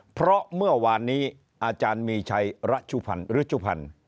เพราะเมื่อวานนี้อาจารย์มีชัยรัชุพรรณ